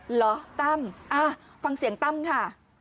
เหรอตั้มฟังเสียงตั้มค่ะ